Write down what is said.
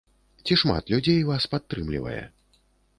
Ці шмат людзей вас падтрымлівае?